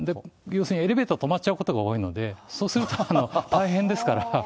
要するにエレベーター止まっちゃうことが多いので、そうすると大変ですから。